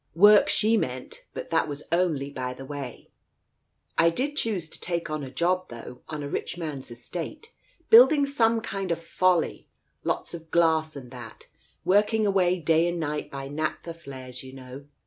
Work, she meant, but that was only by the way. I did choose to take on a job, though, on a rich man's estate, building some kind of Folly, lots of glass and that, work ing away day and night by naphtha flares, you know.